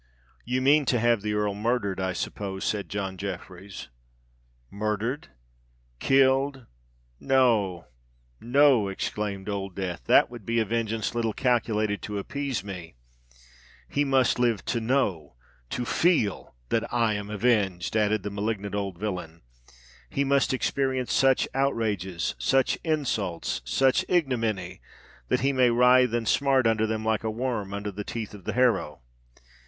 "You mean to have the Earl murdered, I suppose?" said John Jeffreys. "Murdered—killed!—no—no," exclaimed Old Death; "that would be a vengeance little calculated to appease me! He must live to know—to feel that I am avenged," added the malignant old villain. "He must experience such outrages—such insults—such ignominy,—that he may writhe and smart under them like a worm under the teeth of the harrow.